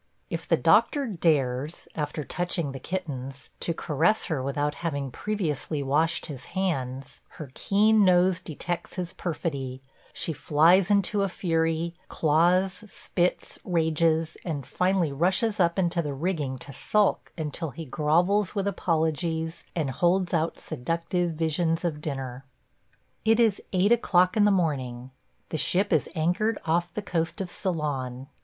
If the doctor dares, after touching the kittens, to caress her without having previously washed his hands, her keen nose detects his perfidy; she flies into a fury, claws, spits, rages, and finally rushes up into the rigging to sulk until he grovels with apologies and holds out seductive visions of dinner. ... It is eight o'clock in the morning. The ship is anchored off the coast of Ceylon.